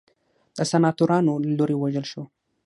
د سناتورانو له لوري ووژل شو.